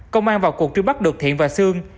công an vào cuộc truy bắt được thiện và sương